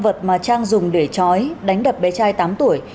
vật mà trang dùng để chói đánh đập bé trai tám tuổi